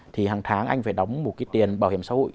thì hàng tháng anh phải đóng một cái tiền bảo hiểm xã hội